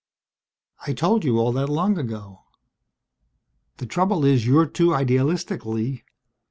"I told you all that long ago. The trouble is, you're too idealistic, Lee.